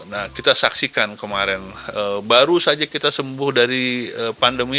nah kita saksikan kemarin baru saja kita sembuh dari pandemi